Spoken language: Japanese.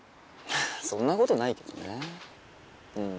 そんなことないけどねうん。